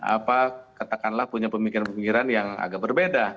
apa katakanlah punya pemikiran pemikiran yang agak berbeda